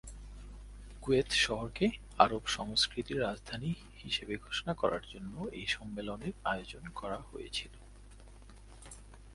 Kuwait শহরকে "আরব সংস্কৃতির রাজধানী" হিসেবে ঘোষণা করার জন্য এই সম্মেলনের আয়োজন করা হয়েছিল।